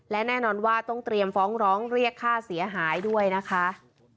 และแน่นอนว่าต้องเตรียมฟ้องร้องเรียกค่าเสียหายด้วยนะคะ